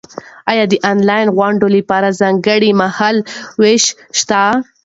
ایا د انلاین غونډو لپاره ځانګړی مهال وېش شته؟